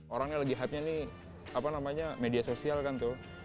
orang yang lagi hype nya ini apa namanya media sosial kan tuh